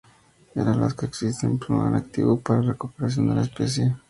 En Alaska existe un plan activo para la recuperación de la especie.